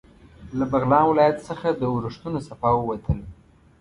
له بغلان ولایت څخه د اورښتونو څپه ووتل.